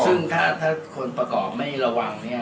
ซึ่งถ้าคนประกอบไม่ระวังเนี่ย